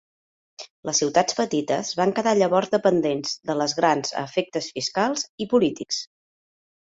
Les ciutats petites van quedar llavors dependents de les grans a efectes fiscals i polítics.